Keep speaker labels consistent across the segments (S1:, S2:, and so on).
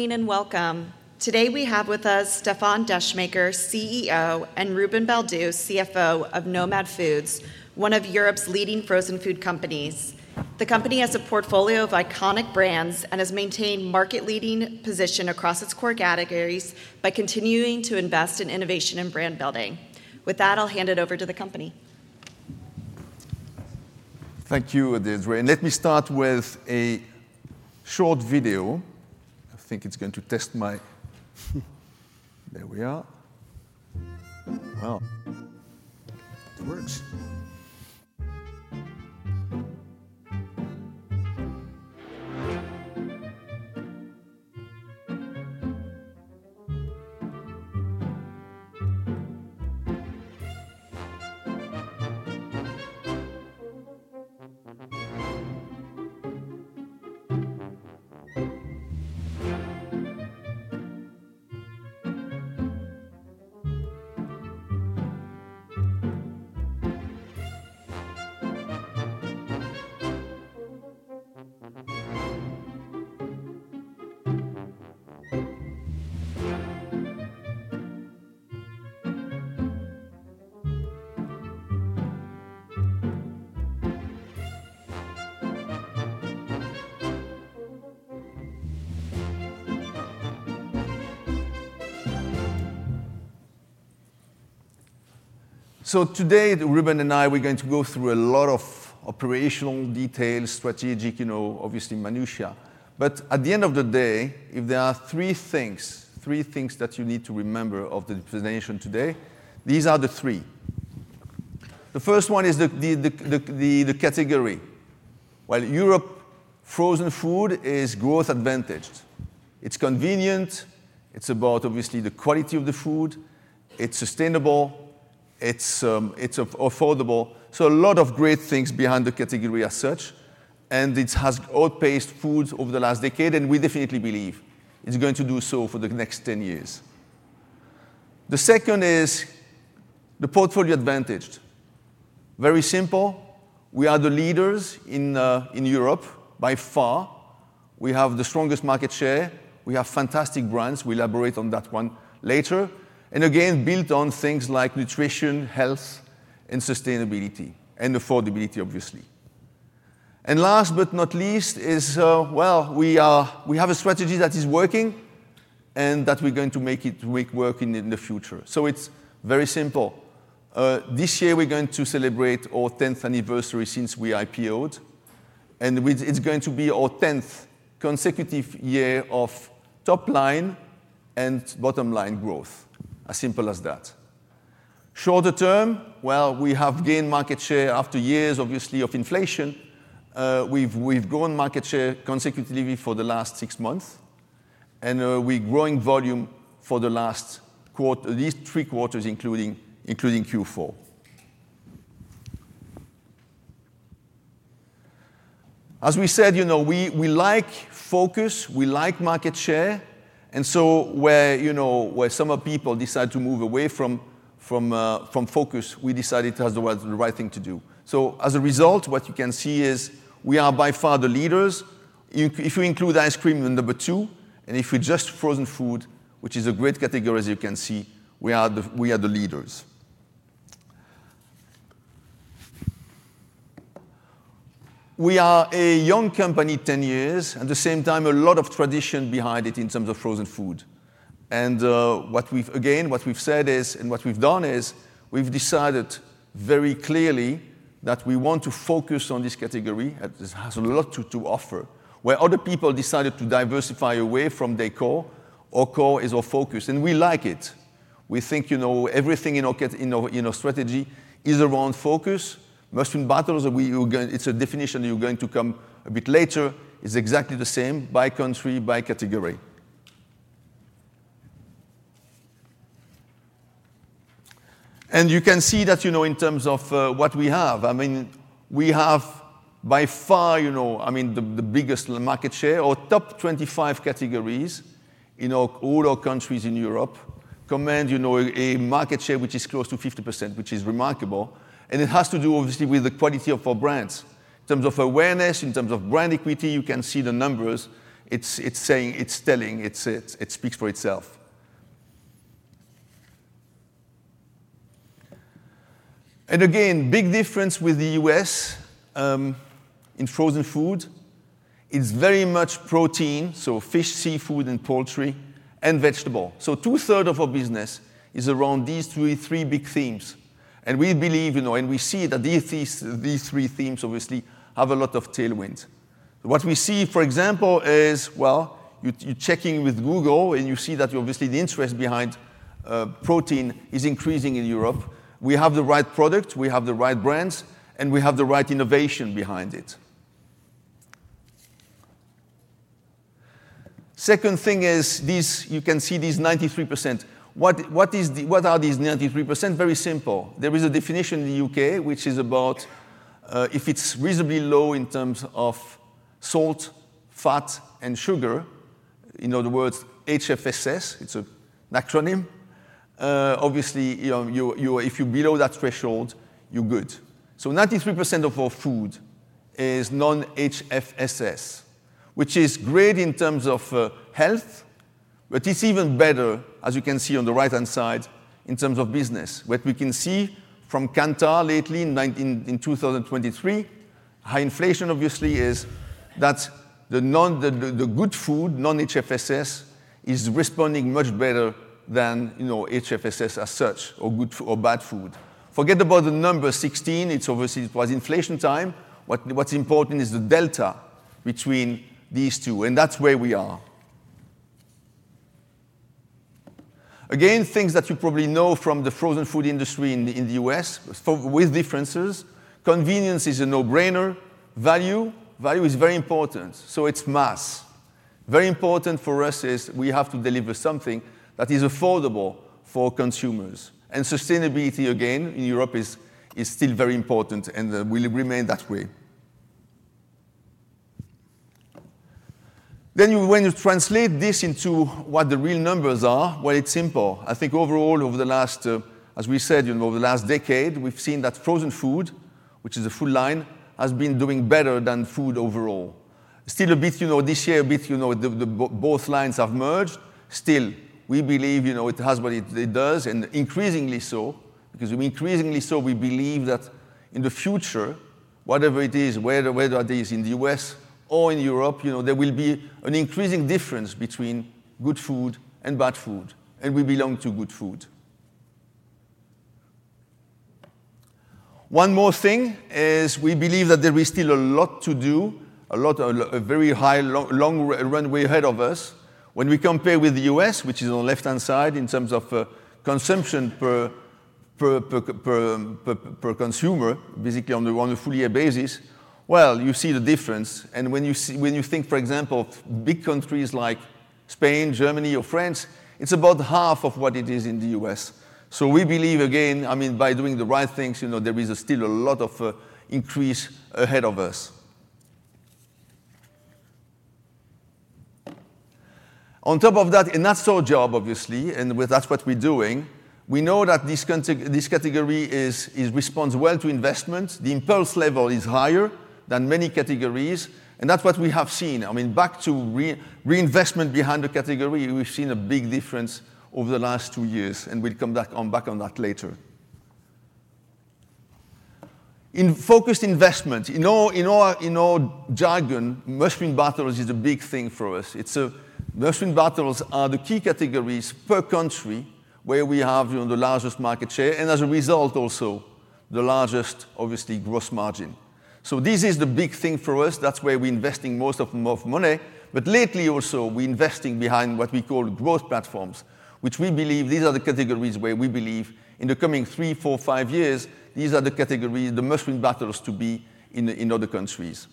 S1: Welcome. Today we have with us Stéfan Descheemaeker, CEO, and Ruben Baldew, CFO of Nomad Foods, one of Europe's leading frozen food companies. The company has a portfolio of iconic brands and has maintained a market-leading position across its core categories by continuing to invest in innovation and brand building. With that, I'll hand it over to the company.
S2: Thank you, Adelis. Let me start with a short video. I think it's going to test my. There we are. Well, it works. So today, Ruben and I, we're going to go through a lot of operational details, strategic, you know, obviously minutia. But at the end of the day, if there are three things, three things that you need to remember of the presentation today, these are the three. The first one is the category. Well, Europe's frozen food is growth-advantaged. It's convenient. It's about, obviously, the quality of the food. It's sustainable. It's affordable. So a lot of great things behind the category as such. And it has outpaced foods over the last decade, and we definitely believe it's going to do so for the next 10 years. The second is the portfolio advantage. Very simple. We are the leaders in Europe by far. We have the strongest market share. We have fantastic brands. We'll elaborate on that one later, and again, built on things like nutrition, health, and sustainability, and affordability, obviously, and last but not least is, well, we have a strategy that is working and that we're going to make it work in the future, so it's very simple. This year, we're going to celebrate our 10th anniversary since we IPO'd, and it's going to be our 10th consecutive year of top-line and bottom-line growth. As simple as that. Shorter term, well, we have gained market share after years, obviously, of inflation. We've grown market share consecutively for the last six months, and we're growing volume for the last three quarters, including Q4. As we said, you know, we like focus. We like market share. And so where some people decide to move away from focus, we decided it was the right thing to do. So as a result, what you can see is we are by far the leaders. If you include ice cream, we're number two. And if it's just frozen food, which is a great category, as you can see, we are the leaders. We are a young company, 10 years, and at the same time, a lot of tradition behind it in terms of frozen food. And again, what we've said is, and what we've done is we've decided very clearly that we want to focus on this category. It has a lot to offer. Where other people decided to diversify away from their core, our core is our focus. And we like it. We think, you know, everything in our strategy is around focus. Must-Win Battles, it's a definition you're going to come across a bit later. It's exactly the same by country, by category. You can see that, you know, in terms of what we have. I mean, we have by far, you know, I mean, the biggest market share. Our top 25 categories in all our countries in Europe command, you know, a market share which is close to 50%, which is remarkable. It has to do, obviously, with the quality of our brands. In terms of awareness, in terms of brand equity, you can see the numbers. It's telling. It speaks for itself. Again, big difference with the U.S. in frozen food. It's very much protein, so fish, seafood, and poultry, and vegetable. So two-thirds of our business is around these three big themes. We believe, you know, and we see that these three themes, obviously, have a lot of tailwinds. What we see, for example, is, well, you're checking with Google and you see that, obviously, the interest behind protein is increasing in Europe. We have the right product. We have the right brands. And we have the right innovation behind it. Second thing is, you can see these 93%. What are these 93%? Very simple. There is a definition in the U.K., which is about if it's reasonably low in terms of salt, fat, and sugar. In other words, HFSS. It's an acronym. Obviously, if you're below that threshold, you're good. So 93% of our food is non-HFSS, which is great in terms of health, but it's even better, as you can see on the right-hand side, in terms of business. What we can see from data lately in 2023, high inflation, obviously, is that the good food, non-HFSS, is responding much better than HFSS as such, or good or bad food. Forget about the number 16. It's obvious it was inflation time. What's important is the delta between these two. That's where we are. Again, things that you probably know from the frozen food industry in the U.S., with differences. Convenience is a no-brainer. Value is very important. So it's mass. Very important for us is we have to deliver something that is affordable for consumers. Sustainability, again, in Europe is still very important. We'll remain that way. When you translate this into what the real numbers are, it's simple. I think overall, over the last, as we said, over the last decade, we've seen that frozen food, which is a full line, has been doing better than food overall. Still a bit, you know, this year, a bit, you know, both lines have merged. Still, we believe, you know, it has what it does, and increasingly so, because increasingly so we believe that in the future, whatever it is, whether it is in the U.S. or in Europe, you know, there will be an increasing difference between good food and bad food, and we belong to good food. One more thing is we believe that there is still a lot to do, a very long runway ahead of us. When we compare with the U.S., which is on the left-hand side in terms of consumption per consumer, basically on a full-year basis, well, you see the difference. When you think, for example, big countries like Spain, Germany, or France, it's about half of what it is in the U.S. So we believe, again, I mean, by doing the right things, you know, there is still a lot of increase ahead of us. On top of that, and that's our job, obviously, and that's what we're doing, we know that this category responds well to investment. The impulse level is higher than many categories. That's what we have seen. I mean, back to reinvestment behind the category, we've seen a big difference over the last two years. We'll come back on that later. In focused investment, in our jargon, Must-Win Battles is a big thing for us. Must-Win Battles are the key categories per country where we have the largest market share. And as a result, also the largest, obviously, gross margin. This is the big thing for us. That's where we're investing most of our money. But lately also, we're investing behind what we call growth platforms, which we believe these are the categories where we believe in the coming three, four, five years, these are the categories the Must-Win Battles to be in other countries.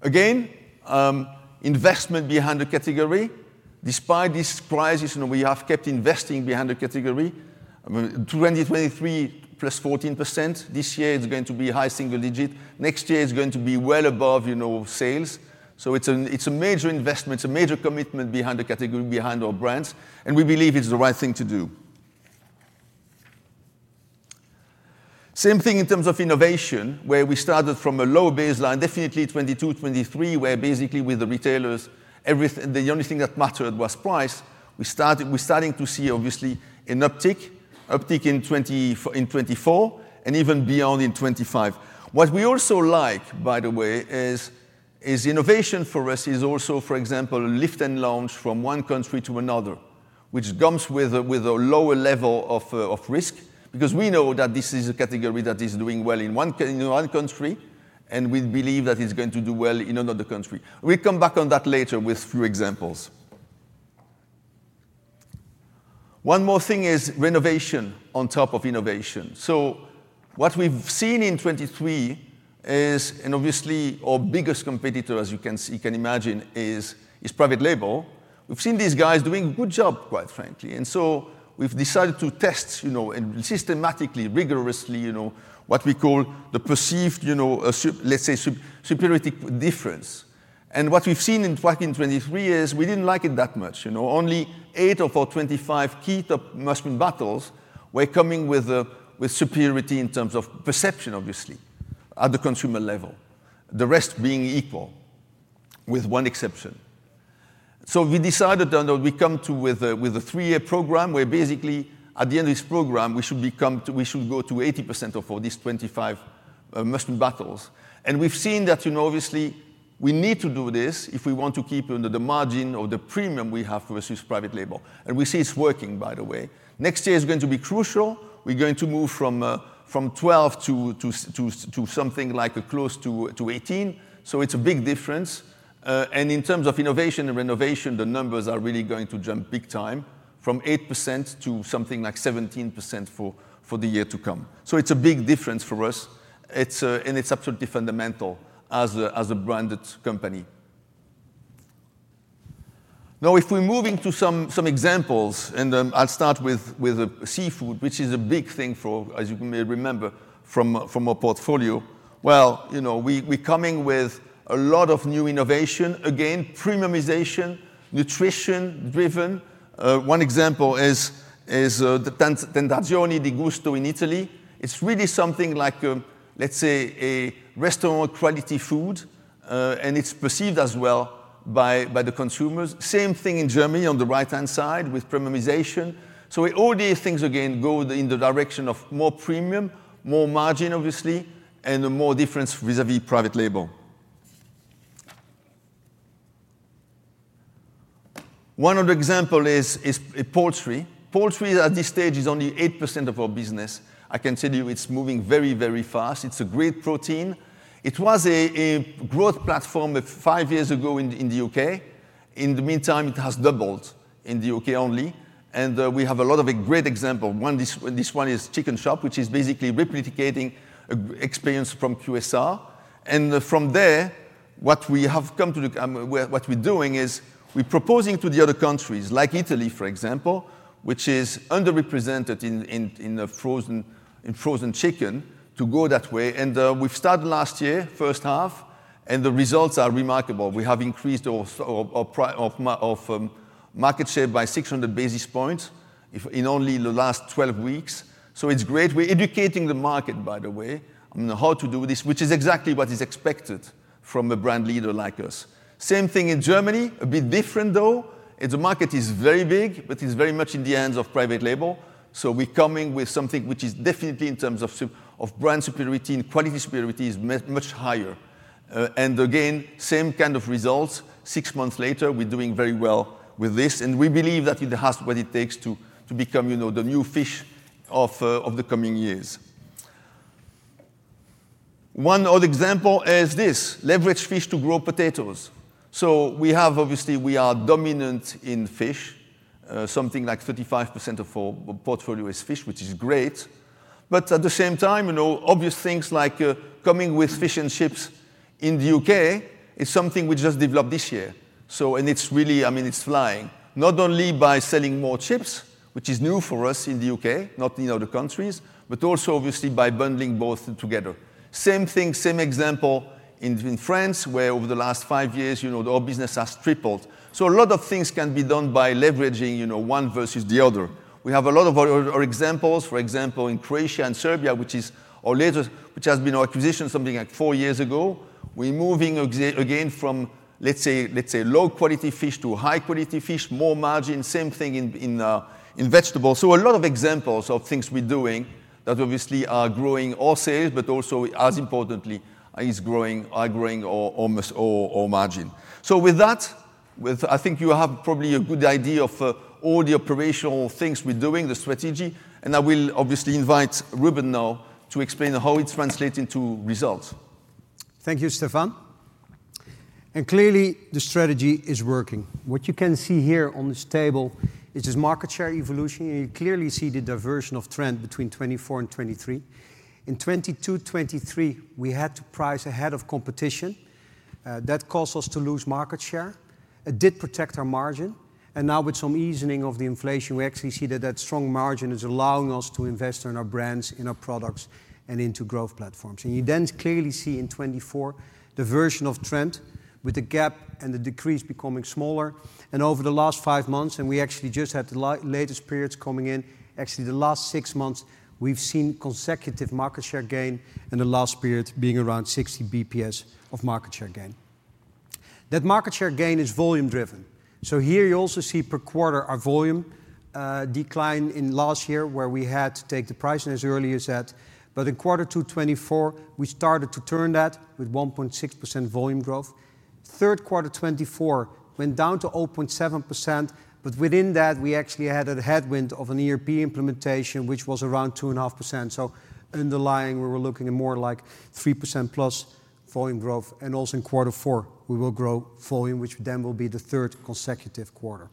S2: Again, investment behind the category. Despite this crisis, we have kept investing behind the category. 2023, +14%. This year, it's going to be high single digit. Next year, it's going to be well above sales. So it's a major investment. It's a major commitment behind the category, behind our brands. And we believe it's the right thing to do. Same thing in terms of innovation, where we started from a low baseline, definitely 2022, 2023, where basically with the retailers, the only thing that mattered was price. We're starting to see, obviously, an uptick in 2024 and even beyond in 2025. What we also like, by the way, is innovation for us is also, for example, lift and launch from one country to another, which comes with a lower level of risk, because we know that this is a category that is doing well in one country, and we believe that it's going to do well in another country. We'll come back on that later with a few examples. One more thing is renovation on top of innovation. So what we've seen in 2023 is, and obviously our biggest competitor, as you can imagine, is private label. We've seen these guys doing a good job, quite frankly. And so we've decided to test, you know, systematically, rigorously, you know, what we call the perceived, you know, let's say, superiority difference. What we've seen in 2023 is we didn't like it that much. You know, only eight of our 25 key Must-Win Battles were coming with superiority in terms of perception, obviously, at the consumer level, the rest being equal with one exception. So we decided that we come up with a three-year program where basically at the end of this program, we should go to 80% of these 25 Must-Win Battles. And we've seen that, you know, obviously, we need to do this if we want to keep the margin or the premium we have versus private label. And we see it's working, by the way. Next year is going to be crucial. We're going to move from 12 to something like close to 18. So it's a big difference. In terms of innovation and renovation, the numbers are really going to jump big time from 8% to something like 17% for the year to come. It's a big difference for us. It's absolutely fundamental as a branded company. Now, if we're moving to some examples, and I'll start with seafood, which is a big thing for, as you may remember, from our portfolio. Well, you know, we're coming with a lot of new innovation. Again, premiumization, nutrition-driven. One example is the Tentazioni di Gusto in Italy. It's really something like, let's say, a restaurant-quality food. And it's perceived as well by the consumers. Same thing in Germany on the right-hand side with premiumization. So all these things, again, go in the direction of more premium, more margin, obviously, and more difference vis-à-vis private label. One other example is poultry. Poultry at this stage is only 8% of our business. I can tell you it's moving very, very fast. It's a great protein. It was a growth platform five years ago in the U.K. In the meantime, it has doubled in the U.K. only. And we have a lot of great examples. This one is Chicken Shop, which is basically replicating experience from QSR. And from there, what we have come to, what we're doing is we're proposing to the other countries, like Italy, for example, which is underrepresented in frozen chicken, to go that way. And we've started last year, first half, and the results are remarkable. We have increased our market share by 600 basis points in only the last 12 weeks, so it's great. We're educating the market, by the way, on how to do this, which is exactly what is expected from a brand leader like us. Same thing in Germany, a bit different though. The market is very big, but it's very much in the hands of private label. So we're coming with something which is definitely in terms of brand superiority and quality superiority is much higher. And again, same kind of results. Six months later, we're doing very well with this. And we believe that it has what it takes to become the new fish of the coming years. One other example is this: leverage fish to grow potatoes. So we have, obviously, we are dominant in fish. Something like 35% of our portfolio is fish, which is great. But at the same time, you know, obvious things like coming with fish and chips in the U.K. is something we just developed this year. And it's really, I mean, it's flying. Not only by selling more chips, which is new for us in the U.K., not in other countries, but also, obviously, by bundling both together. Same thing, same example in France, where over the last five years, you know, our business has tripled. So a lot of things can be done by leveraging, you know, one versus the other. We have a lot of other examples, for example, in Croatia and Serbia, which is our latest, which has been our acquisition something like four years ago. We're moving again from, let's say, low-quality fish to high-quality fish, more margin, same thing in vegetables. A lot of examples of things we're doing that obviously are growing our sales, but also, as importantly, are growing our margin. With that, I think you have probably a good idea of all the operational things we're doing, the strategy. I will obviously invite Ruben now to explain how it's translated into results.
S3: Thank you, Stéfan. Clearly, the strategy is working. What you can see here on this table is this market share evolution. You clearly see the divergence of trend between 2024 and 2023. In 2022, 2023, we had to price ahead of competition. That caused us to lose market share. It did protect our margin. Now, with some easing of the inflation, we actually see that strong margin is allowing us to invest in our brands, in our products, and into growth platforms. You then clearly see in 2024 the version of trend with the gap and the decrease becoming smaller. Over the last five months, and we actually just had the latest periods coming in, actually the last six months, we've seen consecutive market share gain in the last period being around 60 basis points of market share gain. That market share gain is volume-driven. Here, you also see per quarter our volume decline in last year, where we had to take the price as early as that. In quarter two 2024, we started to turn that with 1.6% volume growth. Third quarter 2024 went down to 0.7%. Within that, we actually had a headwind of an ERP implementation, which was around 2.5%. Underlying, we were looking at more like 3% plus volume growth. And also in quarter four, we will grow volume, which then will be the third consecutive quarter.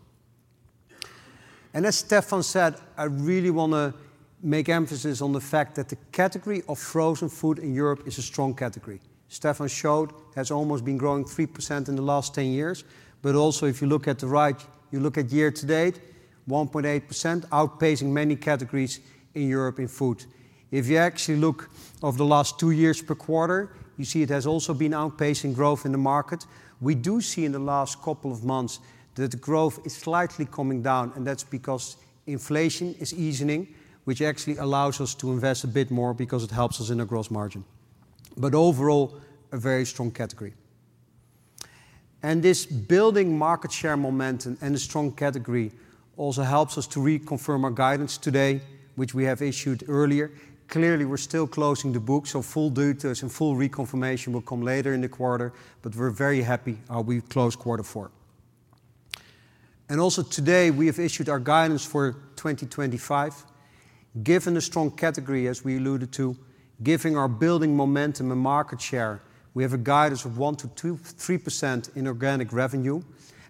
S3: And as Stéfan said, I really want to make emphasis on the fact that the category of frozen food in Europe is a strong category. Stéfan showed, it has almost been growing 3% in the last 10 years. But also, if you look to the right, year to date, 1.8%, outpacing many categories in Europe in food. If you actually look over the last two years per quarter, you see it has also been outpacing growth in the market. We do see in the last couple of months that the growth is slightly coming down. And that's because inflation is easing, which actually allows us to invest a bit more because it helps us in our gross margin. But overall, a very strong category. This building market share momentum and a strong category also helps us to reconfirm our guidance today, which we have issued earlier. Clearly, we're still closing the book. So full details and full reconfirmation will come later in the quarter. But we're very happy how we closed quarter four. And also today, we have issued our guidance for 2025. Given the strong category, as we alluded to, giving our building momentum and market share, we have a guidance of 1%-3% in organic revenue.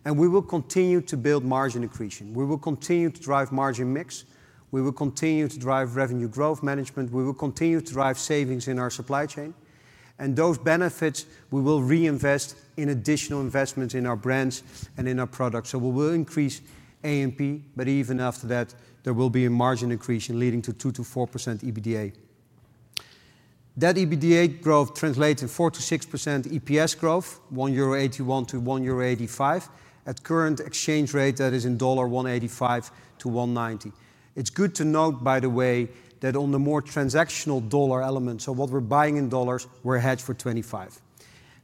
S3: And we will continue to build margin accretion. We will continue to drive margin mix. We will continue to drive revenue growth management. We will continue to drive savings in our supply chain. And those benefits, we will reinvest in additional investments in our brands and in our products. So we will increase A&P. But even after that, there will be a margin accretion leading to 2%-4% EBITDA. That EBITDA growth translates to 4%-6% EPS growth, €1.81-€1.85 at current exchange rate, that is in $1.85-$1.90. It's good to note, by the way, that on the more transactional dollar element, so what we're buying in dollars, we're hedged for 2025.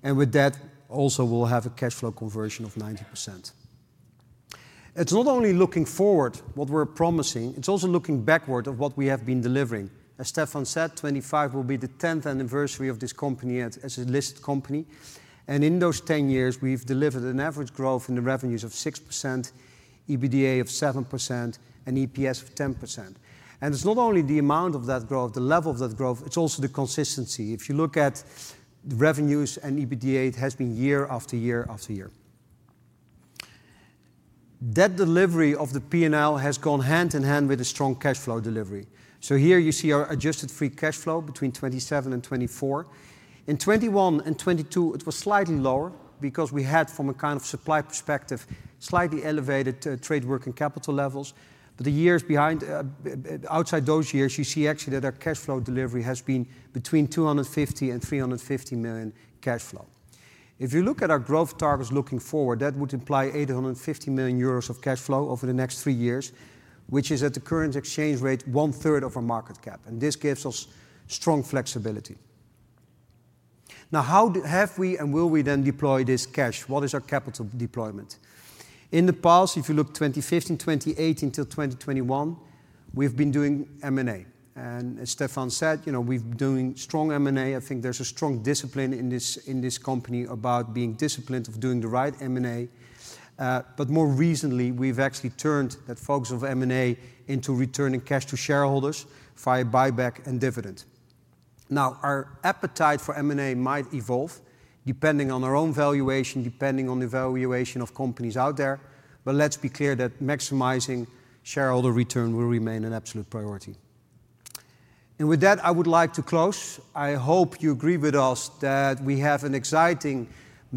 S3: And with that, also, we'll have a cash flow conversion of 90%. It's not only looking forward what we're promising, it's also looking backward of what we have been delivering. As Stéfan said, 2025 will be the 10th anniversary of this company as a listed company. And in those 10 years, we've delivered an average growth in the revenues of 6%, EBITDA of 7%, and EPS of 10%. And it's not only the amount of that growth, the level of that growth, it's also the consistency. If you look at revenues and EBITDA, it has been year after year after year. That delivery of the P&L has gone hand in hand with a strong cash flow delivery. So here you see our adjusted free cash flow between 2017 and 2024. In 2021 and 2022, it was slightly lower because we had, from a kind of supply perspective, slightly elevated trade working capital levels. But the years before, outside those years, you see actually that our cash flow delivery has been between €250 million and €350 million cash flow. If you look at our growth targets looking forward, that would imply €850 million of cash flow over the next three years, which is at the current exchange rate, one third of our market cap. And this gives us strong flexibility. Now, how have we and will we then deploy this cash? What is our capital deployment? In the past, if you look 2015, 2018 to 2021, we've been doing M&A, and as Stéfan said, you know, we've been doing strong M&A. I think there's a strong discipline in this company about being disciplined of doing the right M&A, but more recently, we've actually turned that focus of M&A into returning cash to shareholders via buyback and dividend. Now, our appetite for M&A might evolve depending on our own valuation, depending on the valuation of companies out there, but let's be clear that maximizing shareholder return will remain an absolute priority, and with that, I would like to close. I hope you agree with us that we have an exciting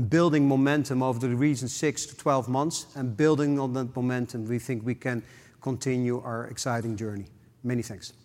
S3: building momentum over the recent six to 12 months, and building on that momentum, we think we can continue our exciting journey. Many thanks.